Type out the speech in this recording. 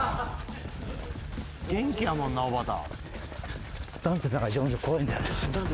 元気やもんなおばた。